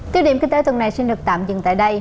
tiếp điểm kinh tế tuần này xin được tạm dừng tại đây